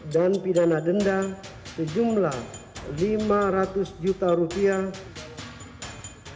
dan pidana denda sejumlah lima ratus juta rupiah